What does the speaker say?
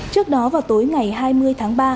trước đó vào tối ngày hai mươi tháng ba